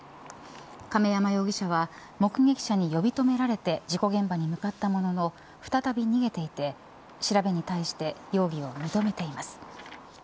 亀山容疑者は目撃者に呼び止められて事故現場に向かったものの再び逃げていて調べに対して容疑を認めています。